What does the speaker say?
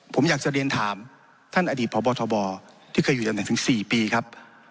ผมอยากจะเรียนถามท่านอดีตพบทบที่เคยอยู่ตำแหน่งถึง๔ปีครับ